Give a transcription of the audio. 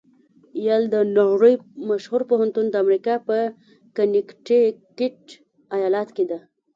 یل د نړۍ مشهوره پوهنتون د امریکا په کنېکټیکیټ ایالات کې ده.